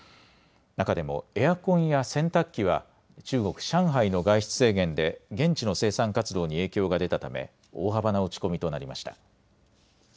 中でもエアコンや洗濯機は中国・上海の外出制限で現地の生産活動に影響が出たため大幅な落ち込みとなりました。